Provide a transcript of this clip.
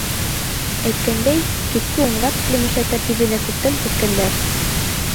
Әйткәндәй, киске унға тиклем эшләү тәртибенә күптән күскәндәр.